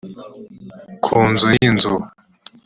ku nzu n inzu